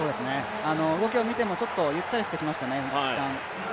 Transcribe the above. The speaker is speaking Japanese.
動きを見ても、ちょっとゆったりしてきましたね。